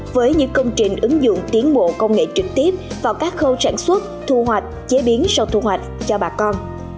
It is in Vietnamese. với những công trình ứng dụng tiến bộ công nghệ trực tiếp vào các khâu sản xuất thu hoạch chế biến sau thu hoạch cho bà con